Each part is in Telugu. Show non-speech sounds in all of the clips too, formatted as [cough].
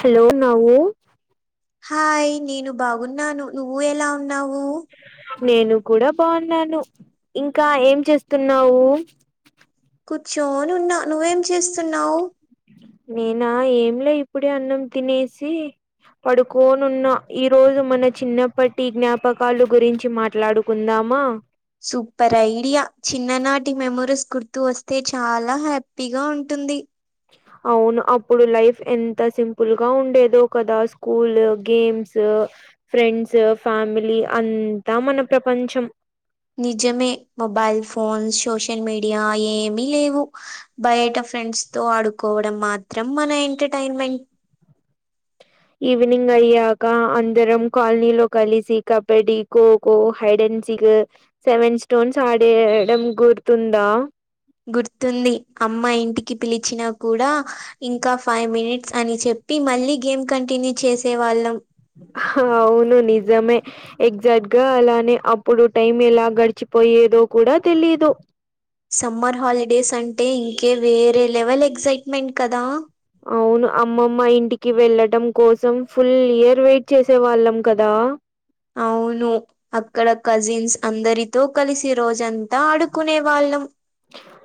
హలో నవ్వు హాయ్ నేను బాగున్నాను నువ్వు ఎలా ఉన్నావు. నేను కూడా బావున్నాను ఇంకా ఏం చేస్తున్నావు కూచ్చోన్ నున్న నువ్వేం చేస్తున్నావ్ నేనా ఏం లే ఇప్పుడే అన్నం తినేసీ పడుకోన్ నున్న ఈ రోజు మన చిన్నప్పటి జ్ఞాపకాలు గురించి మాట్లాడు కుందామా సూపర్ ఐడియా చిన్ననాటి మెమొరిస్ గుర్తు వస్తే చాలా హ్యాపీగా ఉంటుంది. అవును అప్పుడు లైఫ్ ఎంత సింపుల్గా ఉండేదో కదా స్కూల్ గేమ్స్ ఫ్రెండ్స్ ఫ్యామిలీ అంతా మన ప్రపంచం నిజమే మొబైల్ ఫోన్స్ సోషల్ మీడియా ఏమీ లేవు బైట ఫ్రెండ్స్ తో ఆడుకోవడం మాత్రం మన ఎంటర్టైన్మెంట్ ఈవినింగ్ అయ్యాక అందరం కాల్నీలో కలిసి కబడ్డీ కోక్ కో హైడ్న్ సిగూ సెవెన్ స్టోన్స్ ఆడేయ్ డం గుర్తుందా గుర్తుంది అమ్మా ఇంటికి పిలిచినా కూడా ఇంకా ఫైవ్ మినిట్స్ అని చెప్పి మళ్ళీ గేమ్ కంటిన్యూ చేసే వాళ్ళం హావును నిజమే ఎగ్జాక్ట్ గా అలానే అప్పుడు టైం ఎలా గడిచిపోయేదో కూడా తెలిదు సమ్మర్ హాలిడేస్ అం టే ఇంకే వేరే లెవెల్ ఎగ్సైట్మెంట్ కదా అవును అమ్మమ్మ ఇంటికి వెళ్ళడం కోసం ఫుల్ ఇయర్ వెట్ చేసే వాళ్ళం కదా అవును అక్కడ కజిన్స్ అందరితో కలిసి రోజంతా ఆడుకునే వాళ్ళం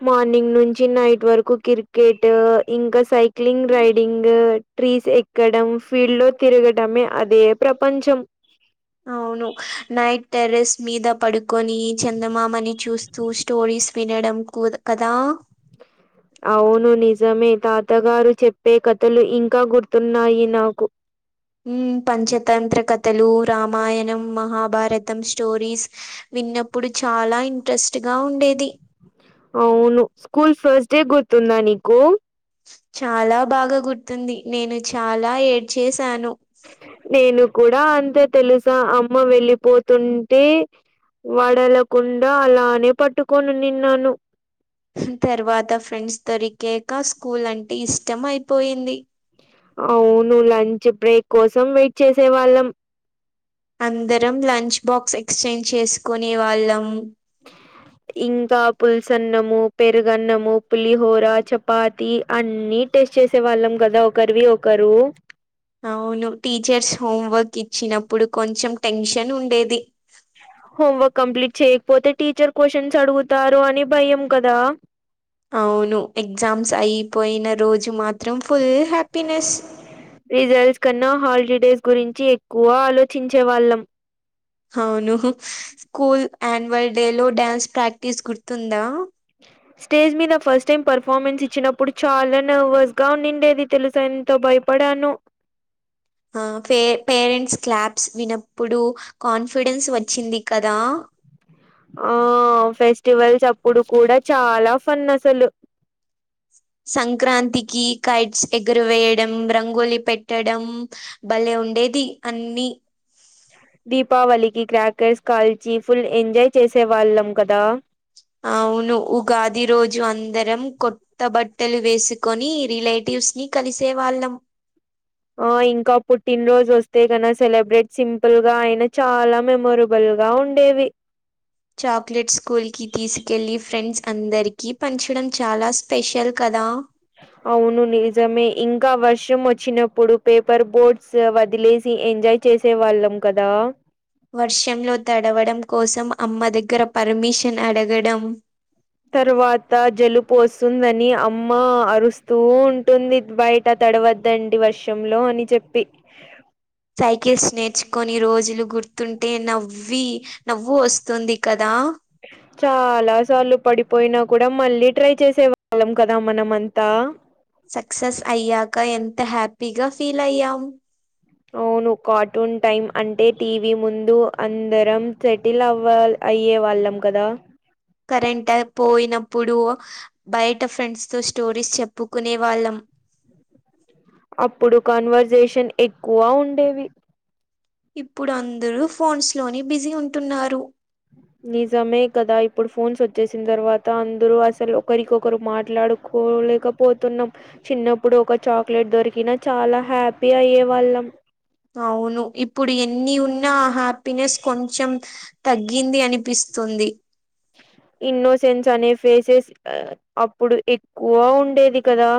మార్నింగ్ నుంచి నైట్ వర్కు కిరికెటు ఇంకా సైక్లింగ్ రైడింగు ట్రీస్ ఎక్కడం ఫీల్లో తిరగటమే అదే ప్రపంచం అవును నైట్ టెరెస్ మీద పడుకని చందమామని చూస్ చూ స్టోరీస్ వినడం కోద్ కదా అవును నిజమే తాతగారు చెప్పే కథలు ఇంకా గుర్తున్నాయి నాకు ఉమ్ పంచతంత్ర కథలు రామాయణం మహాభారతం స్టోరీస్ విన్నప్పుడు చాలా ఇంట్రెస్ట్గా ఉండేది అవును స్కూల్ ఫస్ట్ డే గుర్తుందా నీకూ చాలా బాగా గుర్తుంది నేను చాలా ఏడ్చేసాను నేను కూడా అంతే తెలుసా అమ్మ వెళ్ళిపో తుంటే వడలకుండా అలానే పట్టుకొని నిన్నాను. తర్వాత ఫ్రెండ్స్ దొరికెక స్కూల్ అంటే ఇష్టం అయిపోయింది. అవును లంచ్ బ్రేక్ కోసం వెయిట్ చేసే వాళ్ళం అందరం లంచ్ బాక్స్ ఎక్స్చేంజ్ చేసుకునే వాళ్ళం [inaudible] ఇంకా పుల్సన్నము, పెరుగన్నము, పులిహోర, చపాతి అన్నీ. టెస్ట్ చేసే వాళ్ళం కదా ఒకరివి ఒకరు అవును టీచర్స్ హోం వర్క్ ఇచ్చినప్పుడు కొంచెం టెన్షన్ ఉండేది హోంవర్క్ కంప్లీట్ చేయకపోతే టీచర్ క్వశ్చన్స్ అడుగుతారు అని భయం కదా. అవును ఎగ్జామ్స్ అయిపోయిన రోజు మాత్రం ఫుల్ హ్యాపీనెస్ రిజల్ట్స్ కన్నా హాలిడేస్ గురించి ఎక్కువ ఆలోచించే వాళ్ళం అవును స్కూల్ ఆన్యువల్ డే లో డ్యాన్స్ ప్రాక్టీస్ గుర్తుందా [inaudible] స్టేజ్ మీద ఫస్ట్ టైం పర్ఫార్మెన్స్ ఇచ్చినప్పుడు చాలా నర్వస్ ఉండినేది తెలుసా ఎంతో భయపడానో. ఆ పే పేరెంట్స్ క్లాబ్స్ వినప్పుడు కాన్ఫిడెన్స్ వచ్చింది కదా ఆ ఫెస్టివల్స్ అప్పుడు కూడా చాలా ఫన్ అసలు సంక్రాంతికి కైట్స్ ఎగరవేయడం, రంగోలి పెట్టడం. భలేె ఉండేది అన్ని దీపావళికి క్రాకర్స్ కాల్చి ఫుల్ ఎంజాయ్ చేసే వాళ్ళం కదా. అవును ఉగాది రోజు అందరం కొ కొత్త బట్టలు వేసుకొని రిలేటివ్స్ ని కలిసే వాళ్ళం ఆ ఇంకా పుట్టినరోజు వస్తే కన సెలబ్రేట్ సింపుల్ గా అయినా చాలా మెమర బుల్ గా ఉండేవి చాక్లెట్ స్కూల్ కి తీసుకెల్లి ఫ్రెండ్స్ అందరికీ పంచడం చాలా స్పెషల్ కదా ఆ అవును నిజమే ఇంకా వర్షం వచ్చినప్పుడు పేపర్ బోర్డ్స్ వదిలేసి ఎంజాయ్ చేసే వాళ్ళం కదా వర్షంలో తడవడం కోసం అమ్మ దగ్గర పర్మిషన్ అడగడం తర్వాత జలుబు వస్తుందని అమ్మ అరుస్తూ ఉన్ ఉంటుంది బయట తడవద్దండి వర్షంలో అని చెప్పి సైకిల్స్ నేర్చుకొని రోజులు గుర్తుంటే నవ్వి నవ్వు వస్తుంది కదా ఆ చాలా సార్లు పడిపోయినా కూడా మళ్ళీ ట్రై చేసే వాళ్ళం కదా మనం అంతా. సక్సెస్ అయ్యాక ఎంత హ్యాపీగా ఫీల్ అయ్యాం అవును కార్టూన్ టైం అంటే టీవీ ముందు అందరం సెటిల్ అవ్వాల్ అయ్యే వాళ్ళం కదా కరెంట్ పోయినప్పుడు బయట ఫ్రెండ్స్ తో స్టోరీస్ చెప్పుకునే వాళ్ళం అప్పుడు కన్వర్సేషన్ ఎక్కువ ఉండేవి ఇప్పుడు అందరూ ఫోన్స్ లోని బిజీ ఉంటున్నారు నిజమే కదా ఇప్పుడు ఫోన్స్ వచ్చేసిన తర్వాత అందరుూ అసలు ఒకరికొకరు మాట్లాడుకోలేక పోతున్నాం చిన్నప్పుడు ఒక చాక్లెట్ దొరికిన చాలా హ్యాపీ అయ్యే వాళ్ళం. అవును ఇప్పుడు ఎన్ని ఉన్నా హ్యాపీనెస్ కొంచెం తగ్గింది అనిపిస్తుంది ఇన్నో సెన్స్ అనే ఫేసెస్ అప్పుడు ఎక్కువ ఉండేది కదా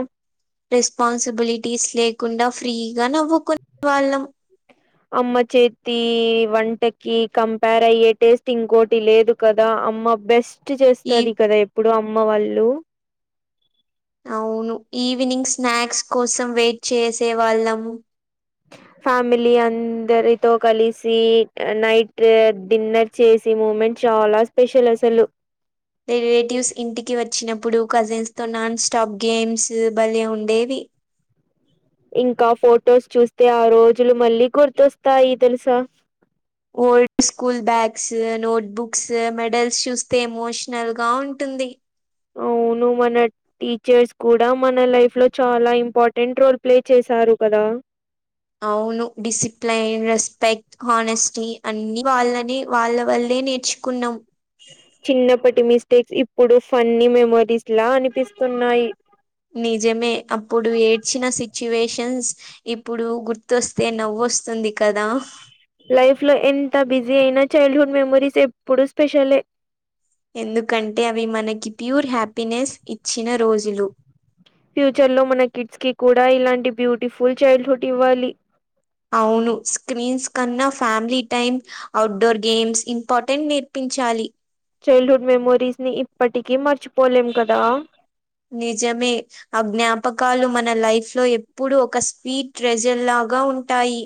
రెస్పాన్సిబిలిటీస్ లేకుండా ఫ్రీగా నవ్వుకునే వాళ్ళం అమ్మ చేతి వంటకి కంపేర్ అయ్యే టేస్ట్ ఇంకోటి లేదు కదా అమ్మ బెస్ట్ ఈ చేస్తది కదా ఎప్పుడు అమ్మ వాళ్ళు అవును ఈవినింగ్ స్నాక్స్ కోసం వెయిట్ చేసే వాళ్ళం ఫ్యామిలీ అందరితో కలిసి నైట్ డిన్నర్ చేసి మూమెంట్ చాలా స్పెషల్ అసలు రిలేటివ్స్ ఇంటికి వచ్చినప్పుడు కజిన్స్ తో నాన్ స్టాప్ గేమ్స్ బలే ఉండేవి ఇంకా ఫొటోస్ చూస్తే ఆ రోజులు మళ్ళీ గుర్తొస్తాయి తెలుసా old school bags note books medals చూస్తే ఎమోషనల్ గా ఉంటుంది అవును మన టీచర్స్ కూడా మన లైఫ్ లో చాలా ఇంపార్టెంట్ రోల్ ప్లే చేశారు కదా అవును డిసిప్లైన్, రెస్పె హానెస్టీ అన్ని వాళ్ళనే వాళ్ళ వల్లే నేర్చుకున్నాం చిన్నప్పటి మిస్టేక్స్ ఇప్పుడు ఫన్నీ మెమరీస్ లా అనిపిస్తున్నాయి నిజమే అప్పుడు ఏడ్చిన సిచ్యువేషన్స్ ఇప్పుడు గుర్తొస్తే నవ్వొస్తుంది కదా లైఫ్ లో ఎంత బిజీ అయినా చైల్డ్ హుడ్ మెమోరీస్ ఎప్పుడు స్పెషలే ఎందుకంటే అవి మనకి ప్యూర్ హ్యాపీనెస్ ఇచ్చిన రోజులు ఫ్యూచర్ లో మన కిడ్స్ కి కూడా ఇలాంటి బ్యూటిఫుల్ చైల్డ్ హుడ్ ఇవ్వాలి అవును స్క్రీన్స్ కన్నా family time outdoor games important నేర్పించాలి చైల్డ్ హుడ్ మెమోరీస్ ని ఇప్పటికీ మర్చిపోలేం కదా నిజమే ఆ జ్ఞాపకాలు మన లైఫ్ లో ఎప్పుడు ఒక స్వీట్ రెజెల్ లాగా ఉంటాయి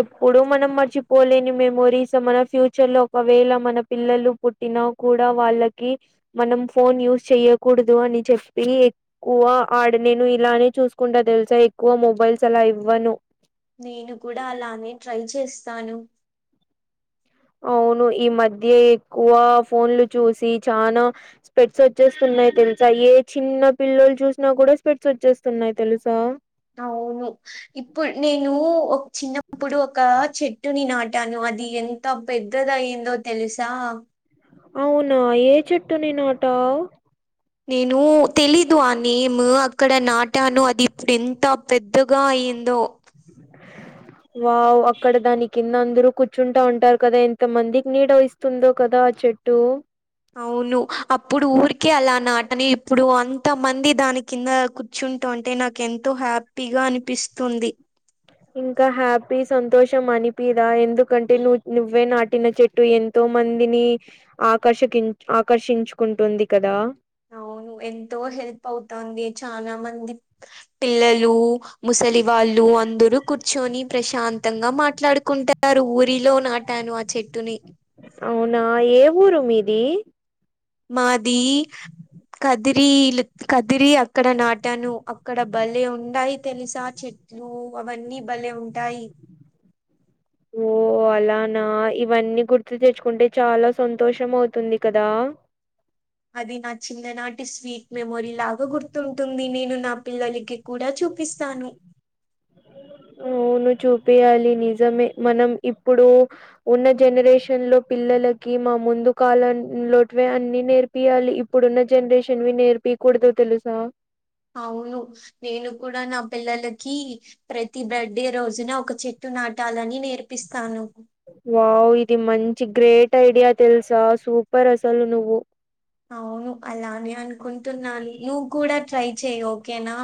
ఎప్పుడు మనం మర్చిపోలేని మెమోరీస్ మన ఫ్యూచర్ లో ఒకవేళ మన పిల్లలు పుట్టిన కూడా వాళ్ళకి మనం ఫోన్ యూజ్ చెయ్యకూడదు అని చెప్పి వా ఆడ నేను ఇలానే చూసుకుంటా తెలుసా ఎక్కువ మొబైల్స్ అలా ఇవ్వను నేను కూడా అలానే ట్రై చేస్తాను అవును ఈ మధ్య ఎక్కువ ఫోన్లు చూసి చానా స్పెట్స్ వచ్చేస్తున్నాయి తెలుసా ఏ చిన్న పిల్లలు చూసినా కూడా స్పెట్స్ వచ్చేస్తున్నాయి తెలుసా అవును ఇప్పుడు నేను ఒక చిన్నప్పుడు ఒక చెట్టుని నాటాను అది ఎన్ ఎంత పెద్దదయ్యిందో తెలుసా అవును ఏ చెట్టుని నాటావు నేను తెలీదు ఆ నేమ్ అక్కడ నాటాను అది ఇప్పుడు ఎంత పెద్దగా అయ్యిందో వావ్ అక్కడ దాని కింద అందరూ కూర్చుంటా ఉంటారు కదా ఎంత మందికి నీడ ఇస్ తుందో కదా ఆ చెట్టు అవును అప్పుడు ఊరికే అలా నాటని ఇప్పుడు అంత మంది దాని కింద చుంటూ ఉంటే నాకు ఎంతో హ్యాపీగా అనిపిస్తుంది ఇంకా హ్యాపీ సంతోషం అనిపీద ఎందుకంటే నువ్వు నువ్వే నాటిన చెట్ అటు ఎంతో మందిని ఆకర్ష కిన్ ఆకర్షించుకుంటుంది కదా అవును ఎంతో హెల్ప్ అవుతాంది చానా మంది పిల్లలు ముసలి వాళ్ళు అందరూ కూర్చొని ప్రశాంతంగా మాట్లాడుకుంటారు ఊరిలో నా టాను ఆ చెట్టుని అవునా ఏ ఊరు మీది మాది కదిరీలు కదిరి అక్కడ నాటాను అక్కడ బలే ఉన్నాయి తెలుసా చెట్లు ఓ అవన్నీ భలే ఉంటాయి ఓ అలానా ఇవన్నీ గుర్తు తెచ్చుకుంటే చాలా సంతోషం అవుతుంది కదా అది నా చిన్ననాటి స్వీట్ మెమొరీ లాగా గుర్తుంటుంది నేను నా పిల్లలకి కూడ చూపిస్తాను అవును చూపియాలి నిజమే మనం ఇప్పుడు ఉన్న జనరేషన్ లో పిల్లలకి మా ముందు కాలం లోవే అన్ని నేర్ పియ్యాలి ఇప్పుడున్న జనరేషనలో నేర్పియాకూడదు తెలుసా అవును నేను కూడా నా పిల్లలకి ప్రతి బర్త్డే రోజున ఒక చెట్టు నాటాలని నేర్పిస్తాను వావ్ ఇది మంచి గ్రేట్ ఐడియా తెలుసా సూపర్ అసలు నువ్వు అవును అలానే అనుకుంటున్నా నువ్వు కూడా ట్రై చెయ్ ఓకేనా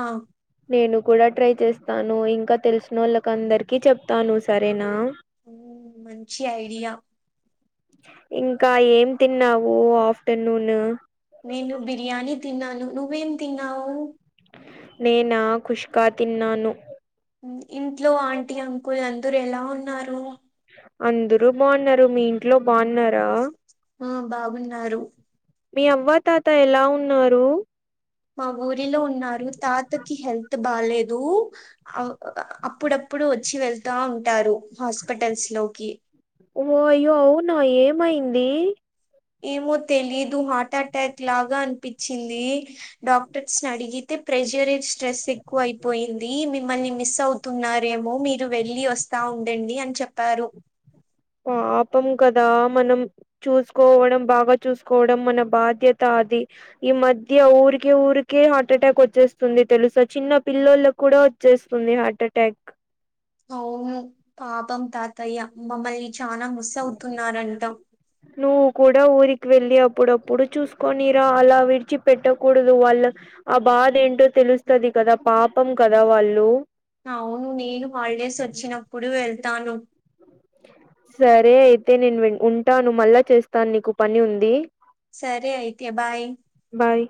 నేను కూడా ట్రై చేస్తాను ఇంకా తెలిసిన వాళ్ళకి అందరికి చెప్తాను సరేనా మంచి ఐడియా ఇంకా ఏం తిన్నావు ఆఫ్టేర్నూన్ నేను బిర్యానీ తిన్నాను నువ్వేం తిన్నావ్ నేను ఖుష్కా తిన్నాను ఇంట్లో ఆంటీ అంకుల్ అందరు ఎలా ఉన్నారు అందరు బాగున్నారు మీ ఇంట్లో బాగున్నారా ఆ బాగున్నారు మీ అవ్వ తాత ఎలా ఉన్నారు మా ఊరిలో ఉన్నారు తాతకి హెల్త్ బాలేదు ఆ అప్పుడప్పుడు వచ్చి వెళ్తా ఉంటారు హాస్పిటల్స్ లోకి ఓ అయ్యో అవునా ఏమయింది ఏమో తెలీదు హార్ట్ అటాక్ లాగా అనిపించింది డాక్టర్స్ ని అడిగితే ప్రెజర్ స్ట్రెస్ ఎక్కువ అయిపోయింది మిమ్మల్ని మిస్ అవు తున్నారేమో మీరు వెళ్ళి వస్తా ఉండండి అని చెప్పారు పాపం కదా మనం చూసుకోవడం బాగా చూసుకోవడం మన బాధ్యత అది ఈ మధ్య ఊరికే ఊరికే హార్ట్ అటాక్ వచ్చేస్తుంది తెలుసా చిన్న పిల్లలకు కూడా వచ్చేస్తుంది హార్ట్ ఎటాక్ అవును పాపం తాతయ్య మమ్మల్ని చానా మిస్ అవుతున్నారంటా నువ్వు కూడా ఊరికి వెళ్ళి అప్పుడప్పుడు చూసుకోనిరా అలా విడిచి పెట్టకూడదు వాళ్ళు ఆ బాధ ఏంటో తెలుస్తది కదా పాపం కదా వాళ్ళు అవును నేను హాలిడేస్ వచ్చినప్పుడు వెళ్తాను సరే అయితే నేను ఉంటాను మళ్ళా చేస్తాను నీకు పని ఉంది సరే అయితే బాయ్ బాయ్